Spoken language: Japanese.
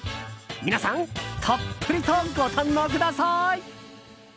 皆さん、たっぷりとご堪能ください！